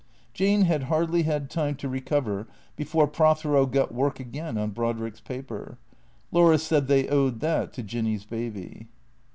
Jane had hardly had time to recover before Prothero got work again on Brodrick's paper. Laura said they owed that to Jinny's baby.